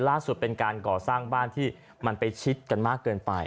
ล่าสุดเป็นการก่อสร้างบ้านที่มันไปชิดกันมากเกินไป